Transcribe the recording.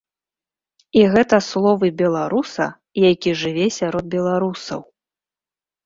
І гэта словы беларуса, які жыве сярод беларусаў.